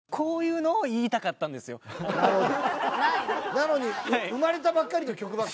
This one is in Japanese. なのに生まれたばっかりの曲ばっか。